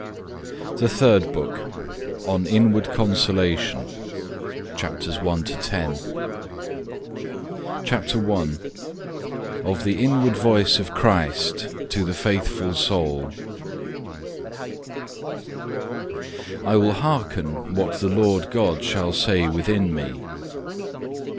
THE THIRD BOOK ON INWARD CONSOLATION CHAPTER I Of the inward voice of Christ to the faithful soul I will hearken what the Lord God shall say within me.